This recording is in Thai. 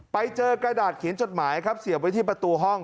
ไปเจอกระดาษเขียนจดหมายครับเสียบไว้ที่ประตูห้อง